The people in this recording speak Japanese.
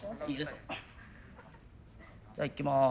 じゃあいきます。